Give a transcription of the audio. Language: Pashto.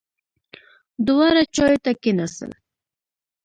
دواړه چایو ته کېناستل.